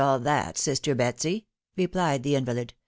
all that, sister Betsy/' replied the invalid.